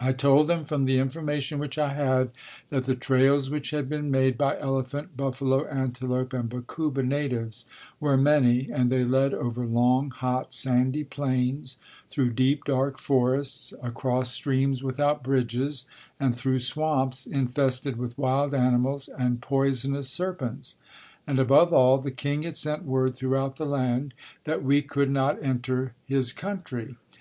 I told them, from the information which I had, that the trails which had been made by elephant, buffalo, antelope and Bakuba natives were many and they led over long, hot, sandy plains through deep dark forests, across streams without bridges, and through swamps infested with wild animals and poisonous serpents. And above all, the king had sent word throughout the land that we could not enter his country.